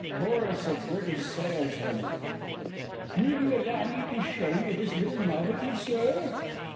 _] CHORUS OF BRITISH SALESWOMEN. Will you allow me to show you this little novelty, Sir?